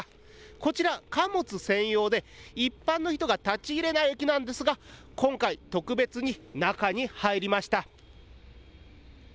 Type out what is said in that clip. こちら貨物専用で一般の人が立ち入れない駅なんですが今回、特別に中に入りました。